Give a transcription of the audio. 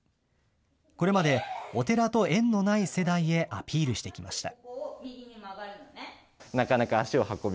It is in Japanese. これまで、お寺と縁のない世代へアピールしてきました。